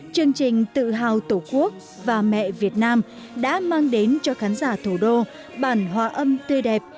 chương trình tự hào tổ quốc và mẹ việt nam đã mang đến cho khán giả thủ đô bản hóa âm tươi đẹp